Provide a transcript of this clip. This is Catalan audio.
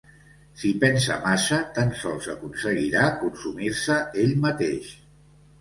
Si pensa massa tan sols aconseguirà consumir-se ell mateix.